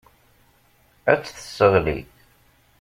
Ad tt-tesseɣli.